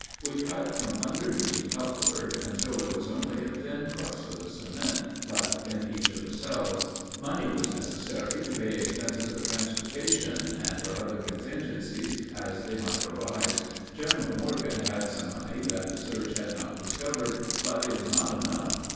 We cut from underneath upward until there was only a thin crust of the cement left in each of the cells. Money was necessary to pay expenses of transportation and for other contingencies as they might arise. General Morgan had some money that the search had not discovered, but it was not enough.